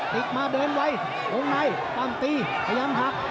ติดมาเดินไว้วงในปั้งตีพยายามหัก